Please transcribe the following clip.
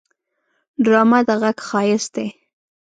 ډرامه د غږ ښايست دی